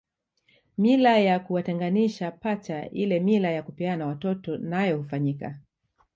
Mila ya kuwatenganisha pacha ile mila ya kupeana watoto nayo hufanyika